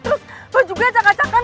terus gue juga cak dua an